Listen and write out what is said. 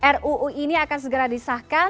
ruu ini akan segera disahkan